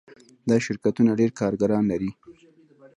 دا شرکتونه ډیر کارګران لري.